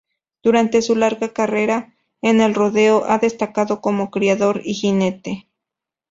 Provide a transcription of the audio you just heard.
Durante su larga carrera en el rodeo ha destacado como criador y jinete.